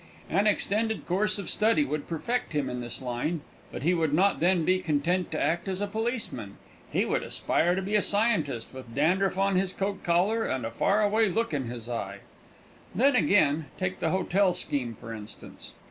An extended course of study would perfect him in this line, but he would not then be content to act as a policeman. He would aspire to be a scientist, with dandruff on his coat collar and a far away look in his eye. Then, again, take the hotel scheme, for instance.